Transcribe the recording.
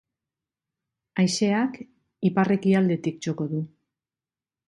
Haizeak ipar-ekialdetik joko du.